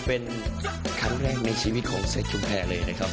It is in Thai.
เป็นครั้งแรกในชีวิตของเซ็กชุมแพรเลยนะครับ